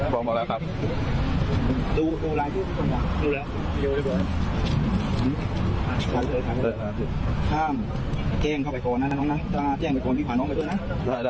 ห้ามเจ้งเข้าไปโกนนะน้องน้ำถ้าเจ้งไปโกนพี่ผ่าน้องไปด้วยนะ